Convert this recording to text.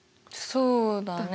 そうだね。